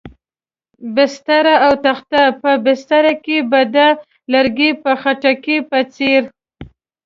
بستره او تخته، په بستره کې به د لرګي په خټکي په څېر.